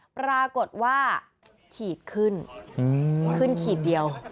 ปรากฏว่าขีดขึ้นขึ้นขีดเดียว